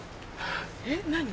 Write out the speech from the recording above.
えっ何？